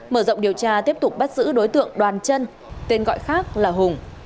mở rộng điều tra tiếp tục bắt giữ đối tượng đoàn chân tên gọi khác là hùng